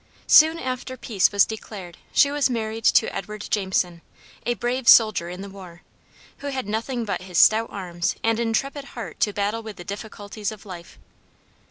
Soon after peace was declared she was married to Edward Jameson, a brave soldier in the war, who had nothing but his stout arms and intrepid heart to battle with the difficulties of life.